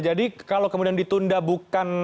jadi kalau kemudian ditunda bukan